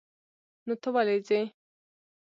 نو ته ولې ځې؟